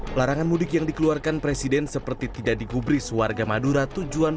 pelarangan mudik yang dikeluarkan presiden seperti tidak digubris warga madura tujuan